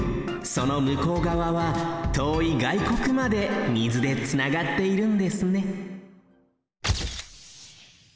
その向こうがわはとおいがいこくまで水でつながっているんですね